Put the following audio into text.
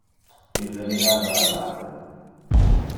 Ille mirava al ave.